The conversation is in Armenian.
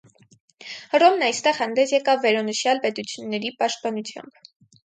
Հռոմն այստեղ հանդես եկավ վերոնշյալ պետությունների պաշտպանությամբ։